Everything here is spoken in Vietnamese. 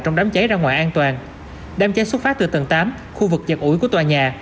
trong đám cháy ra ngoài an toàn đám cháy xuất phát từ tầng tám khu vực chật ủi của tòa nhà